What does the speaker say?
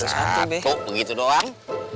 satu begitu doang